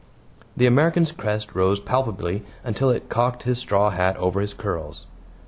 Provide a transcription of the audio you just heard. The American's crest rose palpably until it cocked his straw hat over his curls.